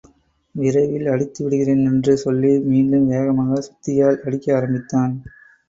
விரைவில் அடித்து விடுகிறேன். என்று சொல்வி, மீண்டும் வேகமாகச் சுத்தியால் அடிக்க ஆரம்பித்தான்.